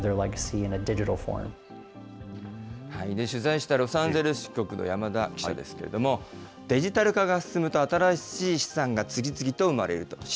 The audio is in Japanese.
取材したロサンゼルス支局の山田記者ですけれども、デジタル化が進むと新しい資産が次々と生まれると。